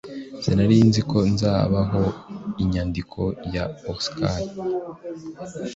Sinari nzi ko hazabaho inyandiko ya Osaka.